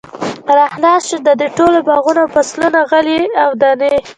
را خلاص شو، د دوی ټول باغونه او فصلونه، غلې او دانې